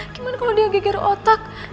gimana kalau dia geger otak